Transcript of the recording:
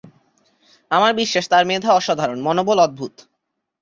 আমার বিশ্বাস তার মেধা অসাধারণ, মনোবল অদ্ভুত।